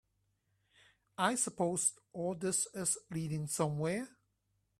I suppose all this is leading somewhere?